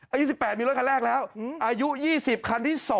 อายุ๑๘มีรถคันแรกแล้วอายุ๒๐คันที่๒